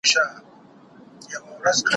ورېنداري خواره دي غواړم نو نه چي د لالا د غمه.